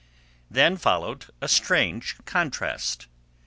Then followed a strange contrast.